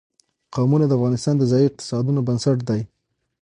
قومونه د افغانستان د ځایي اقتصادونو بنسټ دی.